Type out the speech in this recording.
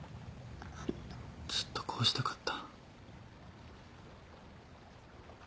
ずっとこうしたかった。